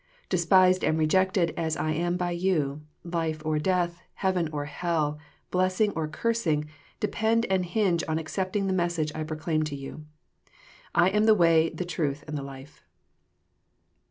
Despised and rejected as I am by you, life or death, heaven or hell, blessing or cursing, depend and hinge on accepting the message I proclaim to you. I am the way, the truth, and the life."